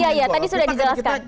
tadi sudah dijelaskan